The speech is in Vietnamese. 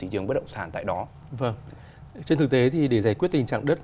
trên thực tế thì để giải quyết tình trạng đất